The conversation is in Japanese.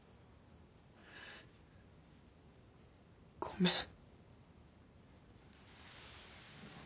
ごめん。